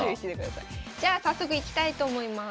じゃあ早速いきたいと思います。